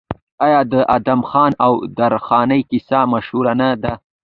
آیا د ادم خان او درخانۍ کیسه مشهوره نه ده؟